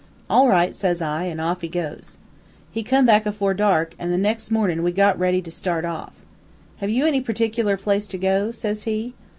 "'All right,' says I, an' off he goes. "He come back afore dark, an' the nex' mornin' we got ready to start off. "'Have you any particular place to go?' says he.